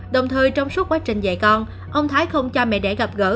đồng thời trong suốt quá trình dạy con ông thái không cho mẹ đẻ gặp gỡ